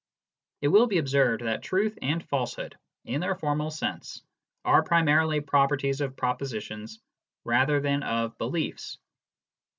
It will be observed that truth and falsehood, in their formal sense, are primarily properties of propositions rather than of beliefs.